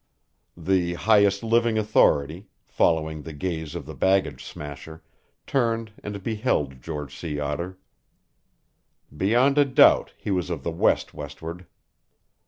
The Highest Living Authority, following the gaze of the baggage smasher, turned and beheld George Sea Otter. Beyond a doubt he was of the West westward.